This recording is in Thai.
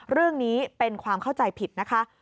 เรื่องนี้เป็นความเข้าใจผิดนะคะ